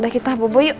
kita bubuk yuk